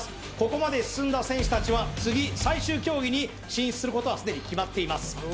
ここまで進んだ選手達は次最終競技に進出することはすでに決まっています